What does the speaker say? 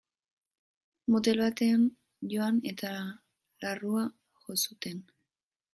Motel batean joan eta larrua jo zuten.